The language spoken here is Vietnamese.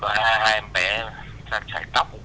thì bây giờ có hai em bé trải tóc